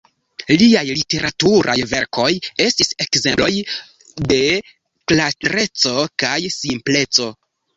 Liaj literaturaj verkoj estis ekzemploj de klareco kaj simpleco.